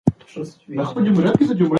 څنګه خپله ژبه زده کړه اسانه کوي؟